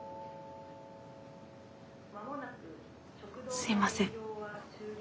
すみません。